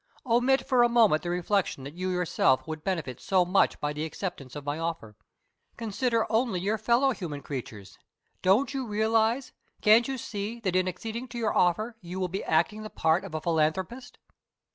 Omit for a moment the reflection that you yourself would benefit so much by the acceptance of my offer. Consider only your fellow human creatures. Don't you realize can't you see that in acceding to our offer you will be acting the part of a philanthropist?"